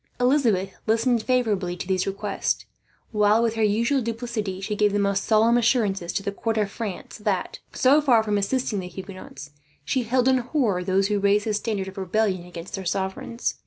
Elizabeth listened favourably to these requests while, with her usual duplicity, she gave the most solemn assurances to the court of France that, so far from assisting the Huguenots, she held in horror those who raised the standard of rebellion against their sovereigns.